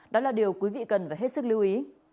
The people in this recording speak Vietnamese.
đó là điều quý vị cần phải hết sức lưu ý